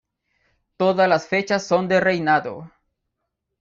Todas las fechas son de reinado.